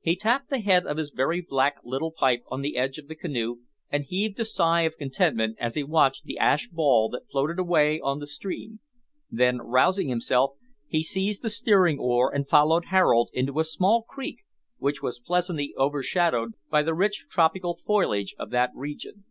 He tapped the head of his very black little pipe on the edge of the canoe, and heaved a sigh of contentment as he watched the ash ball that floated away on the stream; then, rousing himself, he seized the steering oar and followed Harold into a small creek, which was pleasantly overshadowed by the rich tropical foliage of that region.